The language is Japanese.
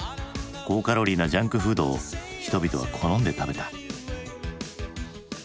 高カロリーなジャンクフードを人々は好んで食べた。